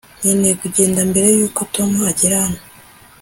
nkeneye kugenda mbere yuko tom agera hano